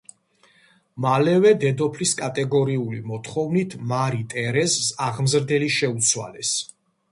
მალევე დედოფლის კატეგორიული მოთხოვნით მარი ტერეზს აღმზრდელი შეუცვალეს.